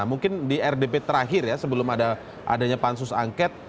mungkin di rdp terakhir ya sebelum adanya pansus angket